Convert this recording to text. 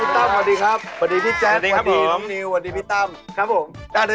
และวันนี้แข่งเชิงของเรา